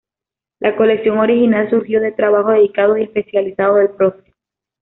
La colección original surgió del trabajo dedicado y especializado del Prof.